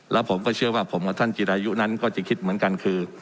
แล้วผมก็เชื่อว่าผมกับท่านจิรายุนั้นก็จะคิดเหมือนกันคือ